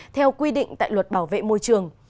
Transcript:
theo quy định tại luật bảo vệ môi trường